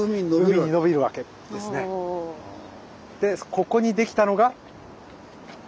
ここにできたのが？